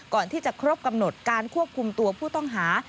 ก่อนที่จะครบกำหนดการควบคุมตัวผู้ต้องหา